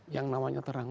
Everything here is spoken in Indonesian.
yang namanya terang